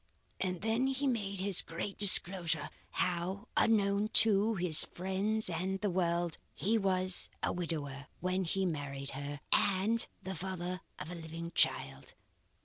And then he made his great disclosure, how, unknown to, his friends and the world, he was a widower when he married her, and the father of a living child.